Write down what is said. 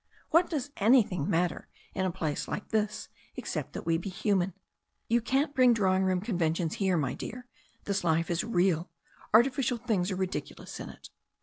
What does an)rthing matter in a place like this except that we be human? You can't bring drawing room conventions here, my dear. This life is real. Artificial things are ridic ulous in it."